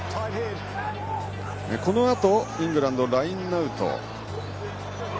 このあと、イングランドのラインアウト。